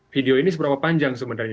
video ini seberapa panjang sebenarnya